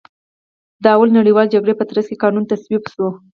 د لومړۍ نړیوالې جګړې په ترڅ کې قانون تصویب شو.